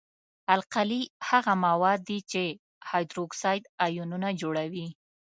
القلي هغه مواد دي چې هایدروکساید آیونونه جوړوي.